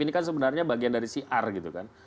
ini kan sebenarnya bagian dari siar gitu kan